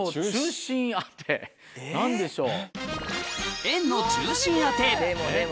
何でしょう？